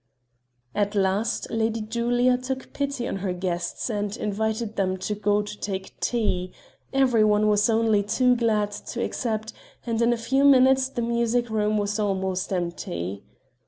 At last Lady Julia took pity on her guests and invited them to go to take tea; every one was only too glad to accept, and in a few minutes the music room was almost empty.